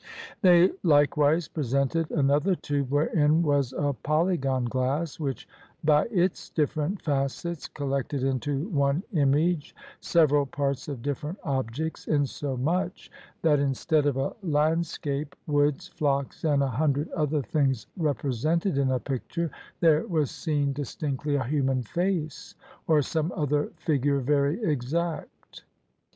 They likewise presented another tube wherein was a polygon glass, which by its different facets collected into one image several parts of different objects, insomuch that instead of a landscape, woods, flocks, and a hundred other things represented in a picture, there was seen dis tinctly a human face or some other figure very exact.